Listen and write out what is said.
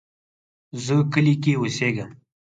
زه کلی کې اوسیږم